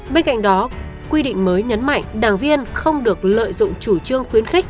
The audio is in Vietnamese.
bên cạnh đó quy định mới nhấn mạnh đảng viên không được lợi dụng chủ trương khuyến khích